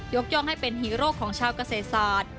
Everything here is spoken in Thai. ย่องให้เป็นฮีโร่ของชาวเกษตรศาสตร์